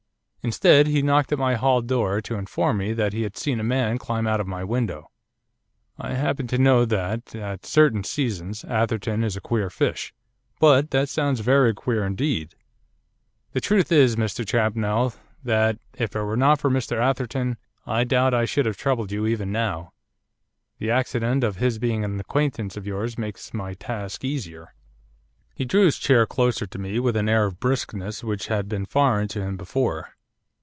Instead, he knocked at my hall door to inform me that he had seen a man climb out of my window.' 'I happen to know that, at certain seasons, Atherton is a queer fish, but that sounds very queer indeed.' 'The truth is, Mr Champnell, that, if it were not for Mr Atherton, I doubt if I should have troubled you even now. The accident of his being an acquaintance of yours makes my task easier.' He drew his chair closer to me with an air of briskness which had been foreign to him before.